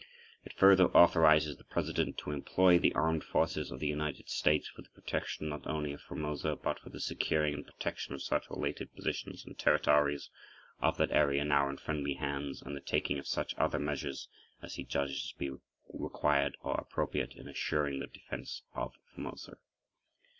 It further authorizes the President to employ the Armed Forces of the United States for the protection not only of Formosa but for "the securing and protection of such related positions and territories of that area now in friendly hands and the taking of such other measures as he judges to be required or appropriate in assuring the defense of Formosa."